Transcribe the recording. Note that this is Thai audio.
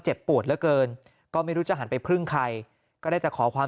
ปวดเหลือเกินก็ไม่รู้จะหันไปพึ่งใครก็ได้แต่ขอความ